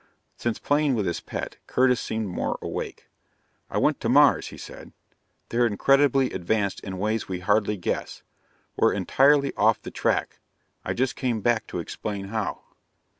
Since playing with his pet, Curtis seemed more awake. "I went to Mars," he said. "They're incredibly advanced in ways we hardly guess. We're entirely off the track. I just came back to explain how."